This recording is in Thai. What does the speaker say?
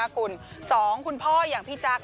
คุณ๒คุณพ่ออย่างพี่จักร